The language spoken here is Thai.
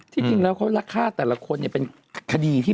จริงแล้วเขารักฆ่าแต่ละคนเนี่ยเป็นคดีที่